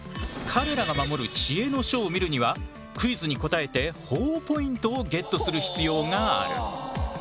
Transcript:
彼らが守る知恵の書を見るにはクイズに答えてほぉポイントをゲットする必要がある。